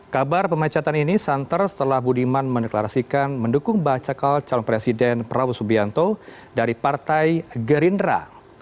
kabar pemecatan ini santer setelah budiman meneklarasikan mendukung baca kal calon presiden prabowo subianto dari partai gerindra